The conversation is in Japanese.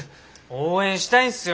応援したいんすよ